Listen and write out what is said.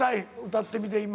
歌ってみて今。